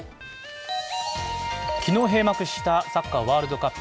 昨日閉幕したサッカーワールドカップ。